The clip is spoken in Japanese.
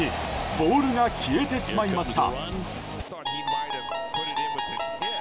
ボールが消えてしまいました。